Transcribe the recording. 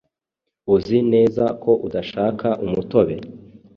Uzi neza ko udashaka umutobe?